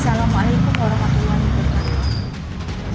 assalamualaikum warahmatullahi wabarakatuh